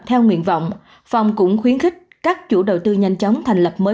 theo nguyện vọng phòng cũng khuyến khích các chủ đầu tư nhanh chóng thành lập mới